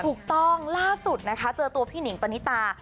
ถูกต้องล่าสุดนะคะเจอตัวพี่หนิงปณิตา